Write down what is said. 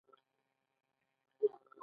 ایا ستاسو کشران درناوی کوي؟